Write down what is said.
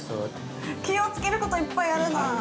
気をつけることいっぱいあるな。